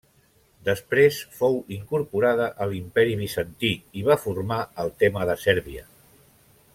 Després fou incorporada a l'Imperi Bizantí i va formar el tema de Sèrbia.